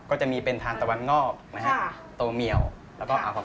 ก็จะมีเป็นทานตะวันนอกนะฮะโตเมียวแล้วก็อ่าวของ